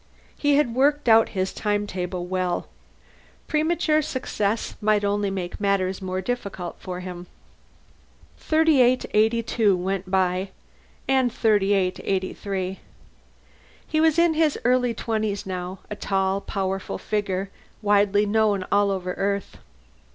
He had worked out his time table well. Premature success might only make matters more difficult for him. 3882 went by, and 3883. He was in his early twenties, now, a tall, powerful figure, widely known all over Earth.